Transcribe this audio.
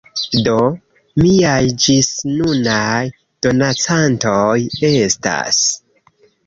Do, miaj ĝisnunaj donacantoj estas